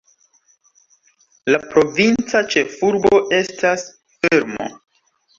La provinca ĉefurbo estas Fermo.